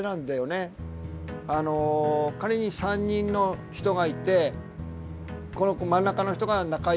あの仮に３人の人がいてこの真ん中の人が仲いい。